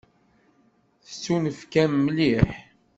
Tettunefk-am mliḥ.